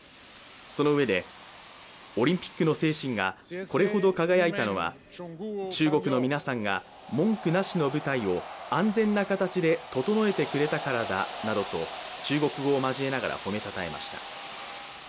そのうえで、オリンピックの精神がこれほど輝いたのは中国の皆さんが文句なしの舞台を安全な形で整えてくれたからだと中国語を交えながら褒めたたえました。